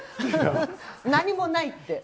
何もないって。